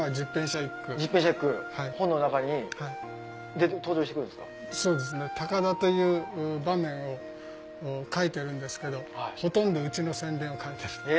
（さ高田という場面を書いてるんですけどほとんどうちの宣伝を書いてると。